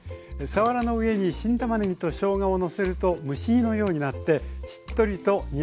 さわらの上に新たまねぎとしょうがをのせると蒸し煮のようになってしっとりと煮上がります。